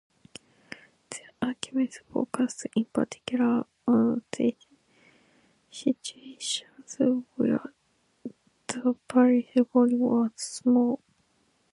Their arguments focused, in particular, on situations where the parish volume was small.